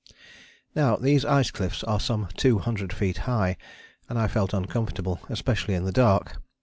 Now these ice cliffs are some two hundred feet high, and I felt uncomfortable, especially in the dark.